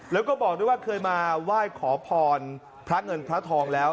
แล้วก็บอกด้วยว่าเคยมาไหว้ขอพรพระเงินพระทองแล้ว